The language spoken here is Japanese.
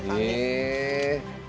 へえ。